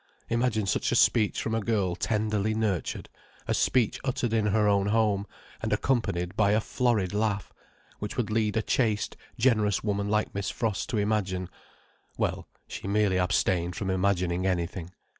Imagine such a speech from a girl tenderly nurtured: a speech uttered in her own home, and accompanied by a florid laugh, which would lead a chaste, generous woman like Miss Frost to imagine—well, she merely abstained from imagining anything.